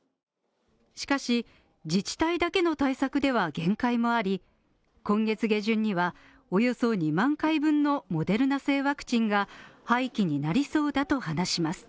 しかし、自治体だけの対策では限界もあり、今月下旬にはおよそ２万回分のモデルナ製ワクチンが廃棄になりそうだと話します。